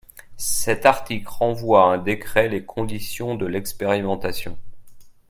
Cet article renvoie à un décret les conditions de l’expérimentation.